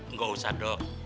nggak usah dok